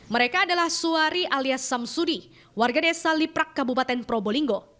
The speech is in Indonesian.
mereka adalah suwari alias samsudi warga desa liprak kabupaten probolinggo